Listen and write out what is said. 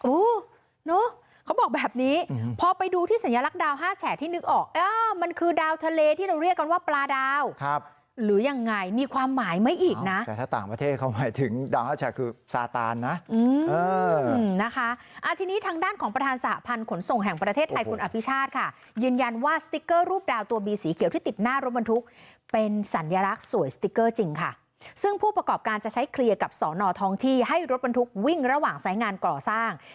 โอ้โหเนาะเขาบอกแบบนี้พอไปดูที่สัญลักษณ์ดาว๕แฉกที่นึกออกมันคือดาวทะเลที่เราเรียกกันว่าปลาดาวครับหรือยังไงมีความหมายไหมอีกนะแต่ถ้าต่างประเทศเขาหมายถึงดาว๕แฉกคือซาตานนะอืมนะคะอ่าทีนี้ทางด้านของประธานสห